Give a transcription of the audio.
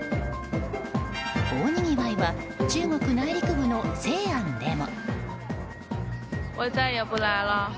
大にぎわいは中国内陸部の西安でも。